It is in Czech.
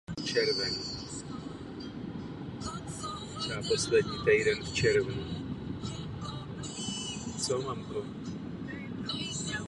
Na původně obecních pastvinách byly vybudovány venkovské chalupy drobnými řemeslníky.